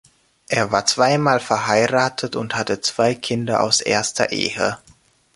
Er war zweimal verheiratet und hatte zwei Kinder aus erster Ehe.